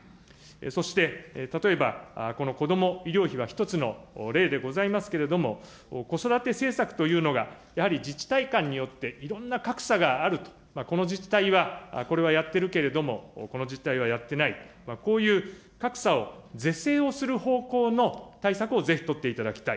そして、例えばこのこども医療費は一つの例でございますけれども、子育て政策というのが、やはり自治体間によっていろんな格差があると、この自治体はこれはやってるけれども、この自治体はやってない、こういう格差を是正をする方向の対策をぜひ取っていただきたい。